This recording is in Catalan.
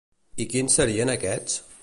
I quins serien aquests?